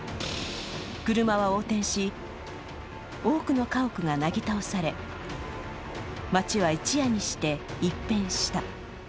車横転し、多くの家屋がなぎ倒され街は一夜にして一変した。